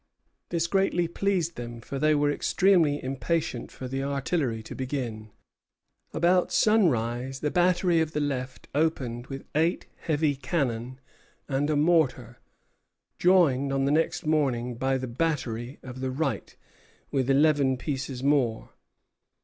This greatly pleased them, for they were extremely impatient for the artillery to begin. About sunrise the battery of the left opened with eight heavy cannon and a mortar, joined, on the next morning, by the battery of the right, with eleven pieces more.